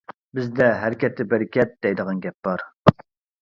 بىزدە «ھەرىكەتتە بەرىكەت» دەيدىغان گەپ بار.